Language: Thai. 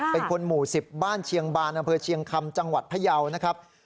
เป็นคนหมู่๑๐บ้านเชียงบานอำเภอเชียงคำจังหวัดพยาวนะครับ